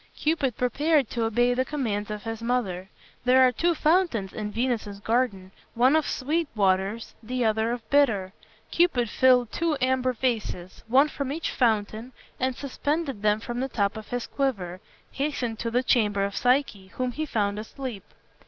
Cupid prepared to obey the commands of his mother. There are two fountains in Venus's garden, one of sweet waters, the other of bitter. Cupid filled two amber vases, one from each fountain, and suspending them from the top of his quiver, hastened to the chamber of Psyche, whom he found asleep.